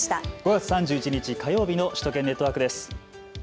５月３１日、火曜日の首都圏ネットワークです。